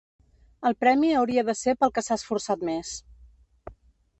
El premi hauria de ser pel que s'ha esforçat més.